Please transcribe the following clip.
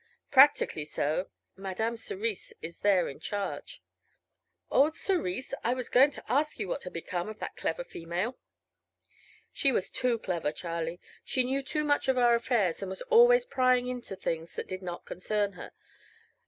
"Practically so. Madame Cerise is there in charge." "Old Cerise? I was going to ask you what had become of that clever female." "She was too clever, Charlie. She knew too much of our affairs, and was always prying into things that did not concern her.